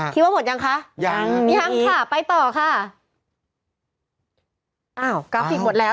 คิดว่าหมดยังคะยังยังค่ะไปต่อค่ะอ้าวกราฟิกหมดแล้ว